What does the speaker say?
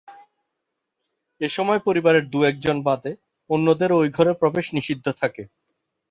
এ সময় পরিবারের দুএকজন বাদে অন্যদেরও ওই ঘরে প্রবেশ নিষিদ্ধ থাকে।